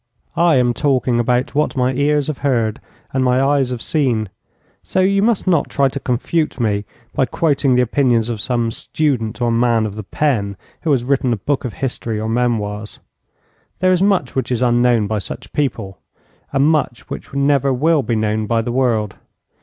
I am talking about what my ears have heard and my eyes have seen, so you must not try to confute me by quoting the opinions of some student or man of the pen, who has written a book of history or memoirs. There is much which is unknown by such people, and much which never will be known by the world.